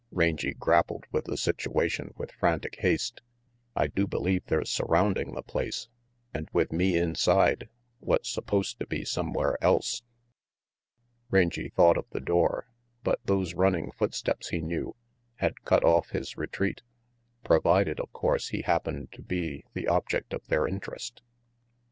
Rangy grappled with the situation with frantic haste. " I do believe they're surrounding the place, and with me inside, what's supposed to be somewhere else!" Rangy thought of the door, but those running footsteps, he knew, had cut off his retreat, provided, of course, he happened to be the object of their interest.